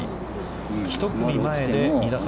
１組前で２打差